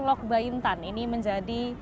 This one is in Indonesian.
lok bain tan ini menjadi